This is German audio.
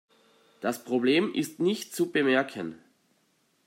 Das Problem ist nicht zu bemerken.